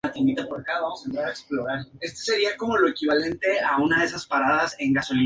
Cerca de la estación se ubica el Teatro Municipal de Ñuñoa y distintos comercios.